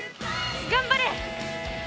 頑張れ！